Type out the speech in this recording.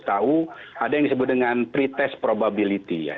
tahu ada yang disebut dengan pre test probability ya